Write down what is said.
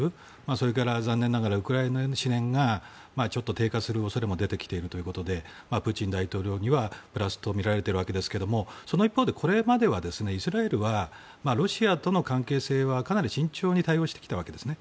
それから、残念ながらウクライナへの支援がちょっと低下する懸念も出てきているということでプーチン大統領にはプラスとみられているわけですがその一方でこれまではイスラエルはロシアとの関係性はかなり慎重に対応してきたわけですね。